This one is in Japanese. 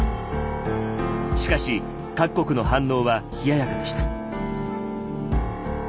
しかし各国の反応は冷ややかでした。